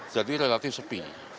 jadi relatif sepi